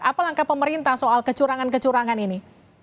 apa langkah pemerintah soal kecurangan kecurangan ini